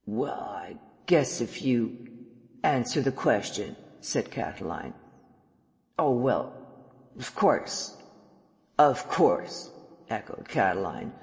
"'Well, I guess if you ' "'Answer the question,' said Catiline. "'Oh, well of course ' "'Of course,' echoed Catiline.